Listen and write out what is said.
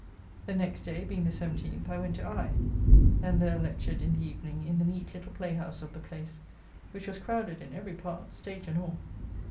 The next day, being the 17th, I went to Eye, and there lectured in the evening in the neat little playhouse of the place, which was crowded in every part, stage and all.